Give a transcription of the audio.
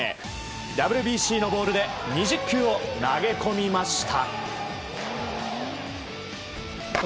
ＷＢＣのボールで２０球を投げ込みました。